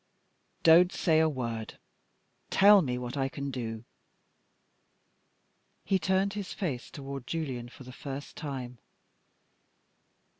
"Don't say a word. Tell me what I can do." He turned his face toward Julian for the first time.